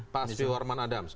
pak asfi warman adam